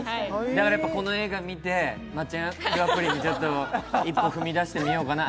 だからやっぱり、この映画見て、マッチングアプリに一歩踏み出してみようかな。